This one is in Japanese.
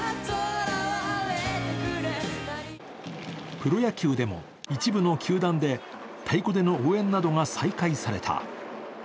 プロ野球でも一部の球団で太鼓での応援などが再開された。